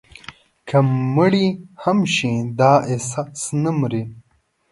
که مړي هم شي، دا احساس نه مري»